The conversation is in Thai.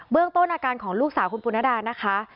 เรื่องต้นอาการของลูกสาวคุณปุณดานะคะ